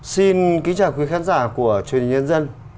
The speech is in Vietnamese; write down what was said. xin kính chào quý khán giả của truyền hình nhân dân